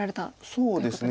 そうですね